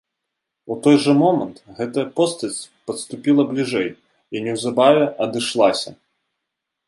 У той жа момант гэтая постаць падступіла бліжэй і неўзабаве адышлася.